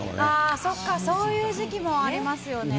そっか、そういう時期もありますよね。